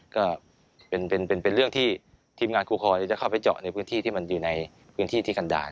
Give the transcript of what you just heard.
ก็เป็นเรื่องที่ทีมงานครูคอยจะเข้าไปเจาะในพื้นที่ที่มันอยู่ในพื้นที่ที่กันดาล